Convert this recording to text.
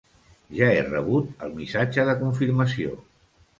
Ja he rebut el missatge de confirmació.